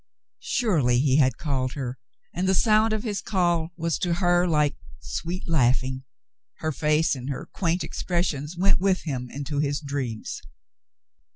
Surely he had called her, and the sound of his call was to her like *' sweet laughing." Her face and her quaint ex pressions went with him into his dreams.